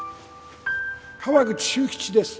川口修吉です